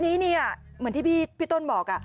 ทีนี้แบบที่พี่โต้นบอกน่ะ